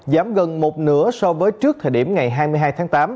giảm gần một nửa so với trước thời điểm ngày hai mươi hai tháng tám